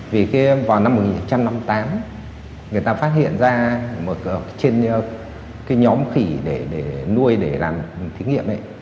vì vào năm một nghìn chín trăm năm mươi tám người ta phát hiện ra trên cái nhóm khỉ để nuôi để làm thí nghiệm đấy